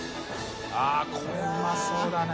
△これうまそうだね。